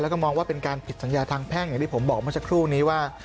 แล้วก็มองว่าเป็นการผิดสัญญาทางแพ่งอย่างที่ผมบอกเมื่อสักครู่นี้ว่า